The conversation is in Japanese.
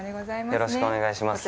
よろしくお願いします。